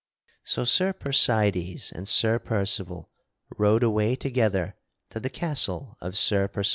So Sir Percydes and Sir Percival rode away together to the castle of Sir Percydes.